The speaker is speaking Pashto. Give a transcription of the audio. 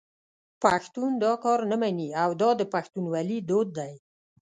پښتون دا کار نه مني او دا د پښتونولي دود دی.